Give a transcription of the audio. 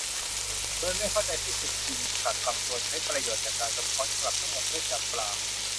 โดยไม่เข้าใจฟิสิกส์จริงสัตว์บางตัวใช้ประโยชน์จากการสะท้อนกลับทั้งหมดเพื่อจับปลา